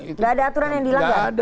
nggak ada aturan yang dilanggar